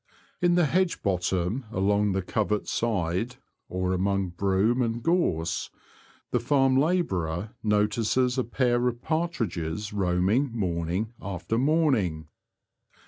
In the hedge bottom, along the covert side, or among broom and gorse, the farm labourer notices a pair of partridges roaming morning after morning.